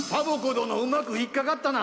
どのうまくひっかかったな。